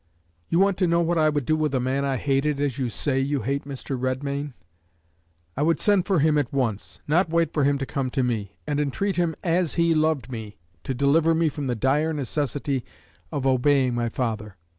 "You want to know what I would do with a man I hated, as you say you hate Mr. Redmain? I would send for him at once not wait for him to come to me and entreat him, as he loved me, to deliver me from the dire necessity of obeying my father.